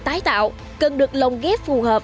tái tạo cần được lồng ghép phù hợp